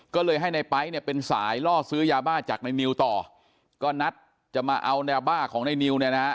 ก็เลยให้ในไป๊เนี่ยเป็นสายล่อซื้อยาบ้าจากในนิวต่อก็นัดจะมาเอายาบ้าของในนิวเนี่ยนะฮะ